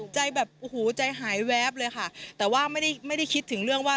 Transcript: ใจแบบโอ้โหใจหายแวบเลยค่ะแต่ว่าไม่ได้ไม่ได้คิดถึงเรื่องว่า